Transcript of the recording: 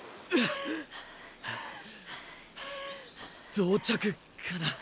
同着かな？